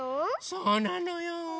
そうなのよ。